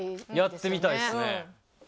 やってみたいですね。